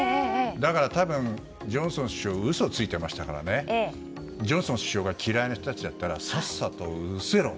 だから多分、ジョンソン首相嘘をついていましたからジョンソン首相が嫌いな人たちならさっさと失せろ！